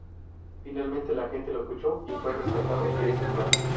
Finalmente la gente lo escuchó y fue rescatado de ese lugar.